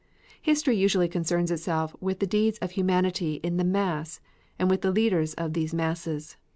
History usually concerns itself with the deeds of humanity in the mass and with the leaders of these masses.